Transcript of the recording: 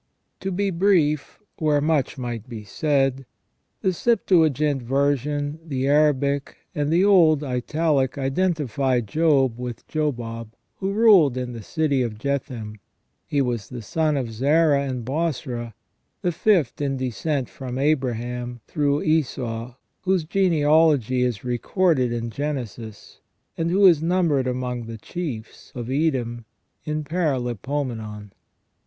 To be brief, where much might be said, the Septuagint version, the Arabic, and the old Italic identify Job with Jobab, who ruled in the city of Jethem. He was the son 'of Zara and Bosra, the fifth in descent from Abraham, through Esau, whose genealogy is recorded in Genesis, and who is numbered among the chiefs of Edom in Paralipomenon.